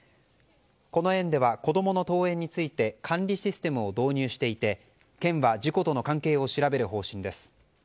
この園では、子供の登園について管理システムを導入していて県は事故との関係を調べる方針です。